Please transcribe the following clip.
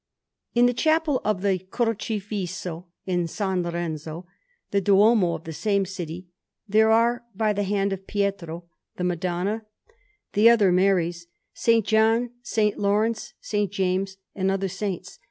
In the Chapel of the Crocifisso in S. Lorenzo, the Duomo of the same city, there are by the hand of Pietro the Madonna, the other Maries, S. John, S. Laurence, S. James, and other saints.